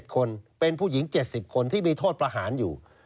๗คนเป็นผู้หญิง๗๐คนที่มีโทษประหารอยู่